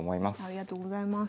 ありがとうございます。